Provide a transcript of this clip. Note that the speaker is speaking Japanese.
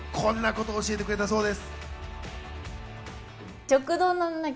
こんなこと教えてくれたそうです。